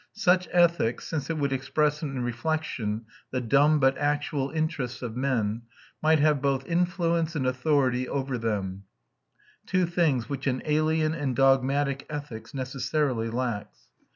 Such ethics, since it would express in reflection the dumb but actual interests of men, might have both influence and authority over them; two things which an alien and dogmatic ethics necessarily lacks.